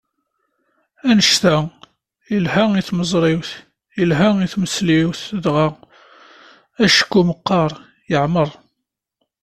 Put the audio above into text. Annect-a, yelha i tmeẓriwt, yelha i tmesliwt daɣ, acku meqqer, yeɛmer.